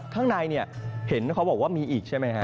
ข้างในเห็นเขาบอกว่ามีอีกใช่ไหมครับ